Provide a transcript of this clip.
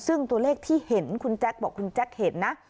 ซึ่งตัวเลขที่เห็นคุณแจ๊คบอกคุณแจ๊คเห็นนะ